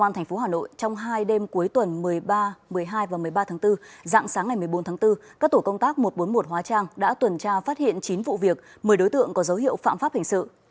công an tp hà nội trong hai đêm cuối tuần một mươi ba một mươi hai và một mươi ba tháng bốn dạng sáng ngày một mươi bốn tháng bốn các tổ công tác một trăm bốn mươi một hóa trang đã tuần tra phát hiện chín vụ việc một mươi đối tượng có dấu hiệu phạm pháp hình sự